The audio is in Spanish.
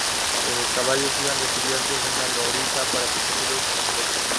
Los caballos iban recubiertos de una loriga para protegerlos de las flechas.